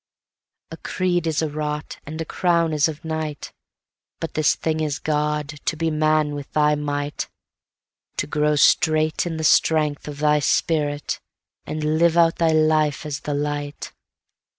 A creed is a rod, And a crown is of night; But this thing is God, To be man with thy might, To grow straight in the strength of thy spirit, and live out thy life as the light.